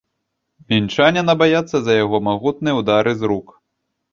Мінчаніна баяцца за яго магутныя ўдары з рук.